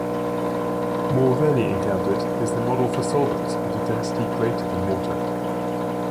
More rarely encountered is the model for solvents with a density greater than water.